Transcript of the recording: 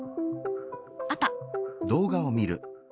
あった。